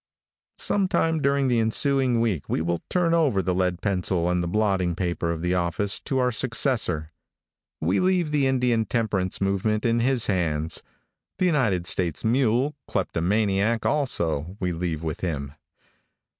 Sometime during the ensuing week we will turn over the lead pencil and the blotting paper of the office to our successor. We leave the Indian temperance movement in his hands. The United States mule, kleptomaniac also, we leave with him.